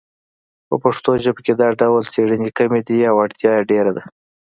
په پښتو ژبه کې دا ډول څیړنې کمې دي او اړتیا یې ډېره ده